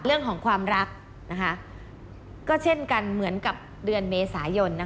เรื่องของความรักก็เช่นกันเหมือนกับเดือนเมษายน